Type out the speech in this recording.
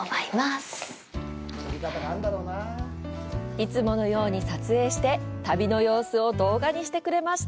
いつものように撮影して、旅の様子を動画にしてくれました！